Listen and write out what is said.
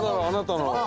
あなたの。